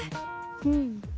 うん。